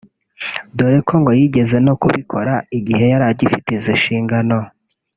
dore ko ngo yigeze no kubikora igihe yari agifite izi nshingano